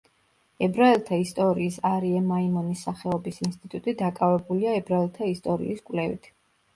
ებრაელთა ისტორიის არიე მაიმონის სახელობის ინსტიტუტი დაკავებულია ებრაელთა ისტორიის კვლევით.